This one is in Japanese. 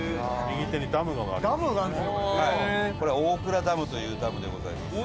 伊達：これは大倉ダムというダムでございます。